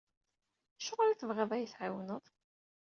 Acuɣar i tebɣiḍ ad iyi-tɛiwneḍ?